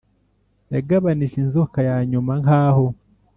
yagabanije inzoka yanyuma nkaho